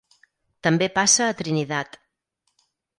També passa a Trinidad.